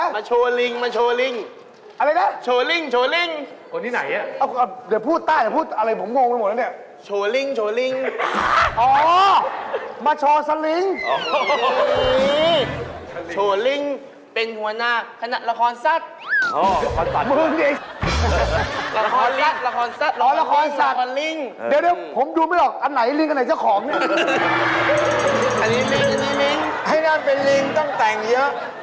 มาโชว์ลิงมาโชว์ลิงโชว์ลิงโชว์ลิงโชว์ลิงโชว์ลิงโชว์ลิงโชว์ลิงโชว์ลิงโชว์ลิงโชว์ลิงโชว์ลิงโชว์ลิงโชว์ลิงโชว์ลิงโชว์ลิงโชว์ลิงโชว์ลิงโชว์ลิงโชว์ลิงโชว์ลิงโชว์ลิงโชว์ลิงโชว์ลิงโชว์ลิงโชว์ลิงโชว์ลิงโชว